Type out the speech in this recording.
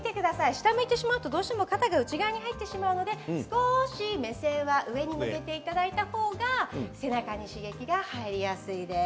下を見てしまうとどうしても肩が内側に入ってしまうので少し目線は上に上げていただいた方が背中に刺激が入りやすいです。